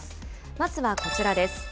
まずはこちらです。